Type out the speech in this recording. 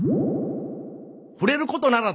触れることならず。